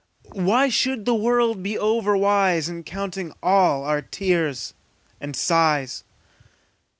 Why should the world be over wise, In counting all our tears and sighs?